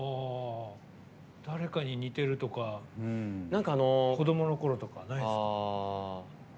誰かに似てるとか子どもころとか、ないですか。